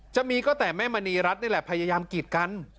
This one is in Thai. จะมีก็แต่แม่มณีรัฐนี่แหละพยายามกีดกัน